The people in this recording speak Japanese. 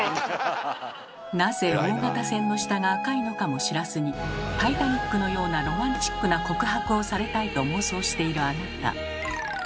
なぜ大型船の下が赤いのかも知らずに「タイタニック」のようなロマンチックな告白をされたいと妄想しているあなた。